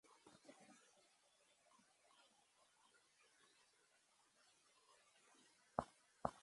La banda se caracterizaba en sus inicios, por sus trajes medievales.